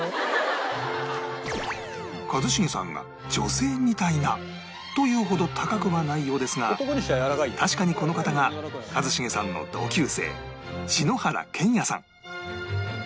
一茂さんが「女性みたいな」と言うほど高くはないようですが確かにこの方が一茂さんの同級生篠原健也さん